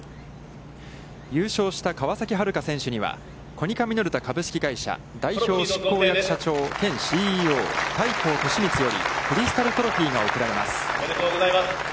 優勝した川崎春花選手には、コニカミノルタ株式会社代表執行役社長兼ＣＥＯ大幸利充よりクリスタルトロフィーが贈られます。